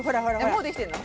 もうできてんの？